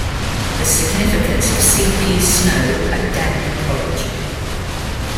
The Significance of C. P. Snow at Downing College.